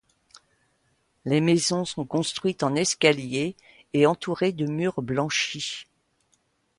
Les maisons sont construites en escalier et entourées de murs blanchis.